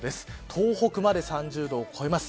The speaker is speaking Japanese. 東北まで３０度を超えます。